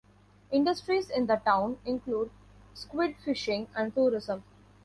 Industries in the town include squid fishing and tourism.